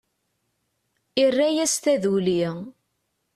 Irra-yas taduli.